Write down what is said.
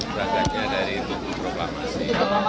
berangkatnya dari ketubuh proklamasi